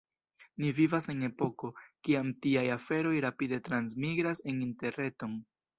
Ni vivas en epoko, kiam tiaj aferoj rapide transmigras en Interreton.